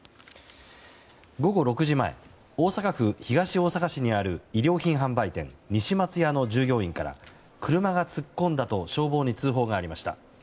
午後６時前大阪府東大阪市にある衣料品販売店西松屋の従業員から車が突っ込んだと消防に通報がありました。